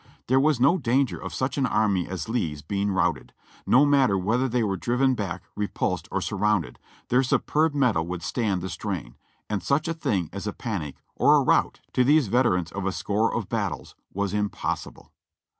There was no danger of such an army as Lee's being routed ; no matter whether they were driven back, repulsed, or surrounded, their superb mettle would stand the strain, and such a thing as a panic or a rout to these veterans of a score of battles was impossible.